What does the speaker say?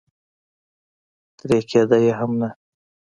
ترې کېده یې هم نه.